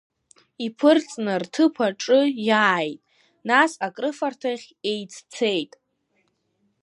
Иԥырҵны рҭыԥ аҿы иааит, нас акрыфарҭахь еиццеит.